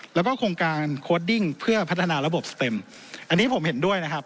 แล้วก็โครงการโค้ดดิ้งเพื่อพัฒนาระบบสเต็มอันนี้ผมเห็นด้วยนะครับ